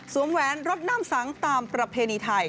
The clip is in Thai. สวมแว้นรับนามสังตามประเพณีไทย